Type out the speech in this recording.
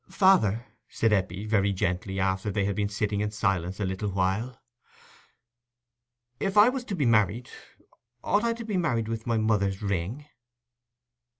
"Father," said Eppie, very gently, after they had been sitting in silence a little while, "if I was to be married, ought I to be married with my mother's ring?"